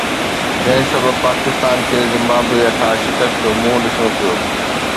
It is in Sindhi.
جنهن سبب پاڪستان کي زمبابوي هٿان شڪست جو منهن ڏسڻو پيو.